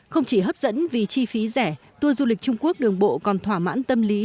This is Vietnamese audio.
không chỉ hấp dẫn vì chi phí rẻ tour du lịch trung quốc đường bộ còn thỏa mãn tâm lý